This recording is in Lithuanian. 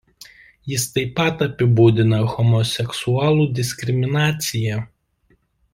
Jis taip pat apibūdina homoseksualų diskriminaciją.